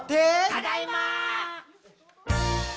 「ただいま！」